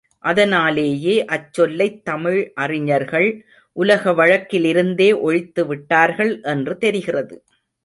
அதனாலேயே அச்சொல்லைத் தமிழ் அறிஞர்கள் உலக வழக்கிலிருந்தே ஒழித்துவிட்டார்கள் என்று தெரிகிறது.